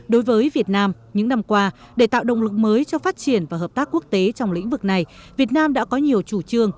đối với việt nam những năm qua để tạo động lực mới cho phát triển và hợp tác quốc tế trong lĩnh vực này việt nam đã có nhiều chủ trương